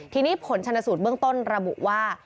ทีนี้ผลชนสูตรเบื้องต้นระบุว่า